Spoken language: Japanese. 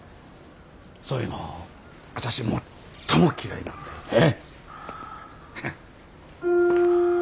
そういうの私最も嫌いなんだよね。